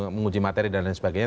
menguji materi dan lain sebagainya